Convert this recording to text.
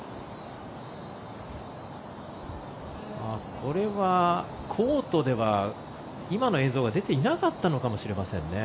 これは、コートでは今の映像が出ていなかったのかもしれません。